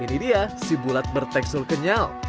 ini dia si bulat bertekstur kenyal